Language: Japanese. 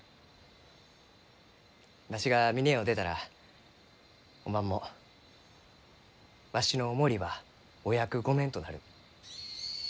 わしが峰屋を出たらおまんもわしのお守りはお役御免となる。